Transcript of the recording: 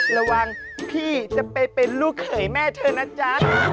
ระวังพี่จะไปเป็นลูกเขยแม่เธอนะจ๊ะ